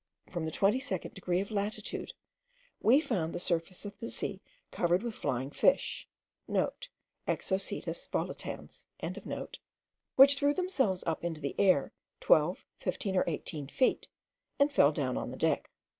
From the twenty second degree of latitude, we found the surface of the sea covered with flying fish,* (* Exocoetus volitans.) which threw themselves up into the air, twelve, fifteen, or eighteen feet, and fell down on the deck.